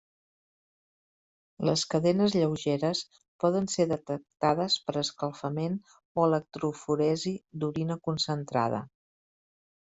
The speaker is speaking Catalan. Les cadenes lleugeres poden ser detectades per escalfament o electroforesi d'orina concentrada.